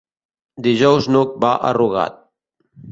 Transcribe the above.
Dijous n'Hug va a Rugat.